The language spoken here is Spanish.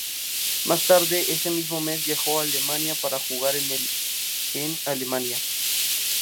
Más tarde ese mismo mes viajó a Alemania para jugar en el en Alemania.